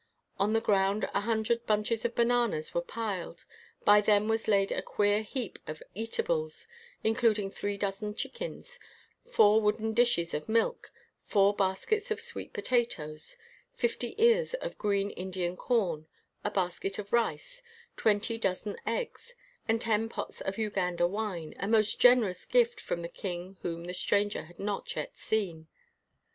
On the ground a hundred bunches of bananas were piled. By them was laid a queer heap of eatables, including three dozen chickens, four wooden dishes of milk, four baskets of sweet potatoes, fifty ears of green Indian corn, a basket of rice, twenty dozen eggs, and ten pots of Uganda wine — a most gen erous gift from the king whom the stranger had not yet seen.